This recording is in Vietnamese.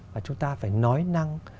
và chúng ta phải nói năng